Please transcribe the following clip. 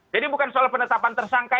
jadi bukan soal penetapan tersangka